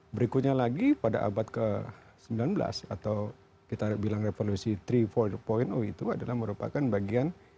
berikutnya lagi pada abad ke sembilan belas atau kita bilang revolusi tiga empat itu adalah merupakan bagian